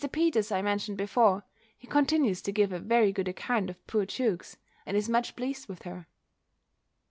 Peters I mentioned before. He continues to give a very good account of poor Jewkes; and is much pleased with her.